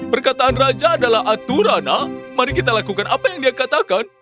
perkataan raja adalah aturana mari kita lakukan apa yang dia katakan